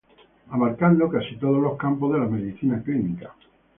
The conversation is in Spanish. Abarcando casi todo los campos de la medicina clínica.